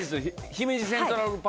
姫路セントラルパーク？